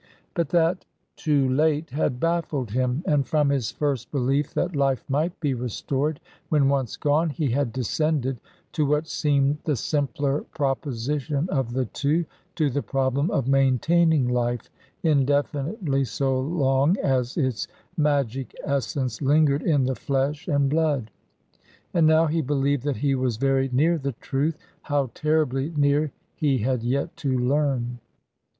But that "too late" had baffled him, and from his first belief that life might be restored when once gone, he had descended to what seemed the simpler proposition of the two, to the problem of maintaining life indefinitely so long as its magic essence lingered in the flesh and blood. And now he believed that he was very near the truth; how terribly near he had yet to learn.